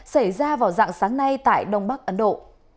xảy ra vào dạng sáng nay tại đông bắc ấn độ